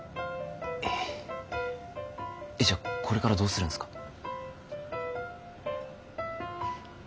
えじゃあこれからどうするんすか？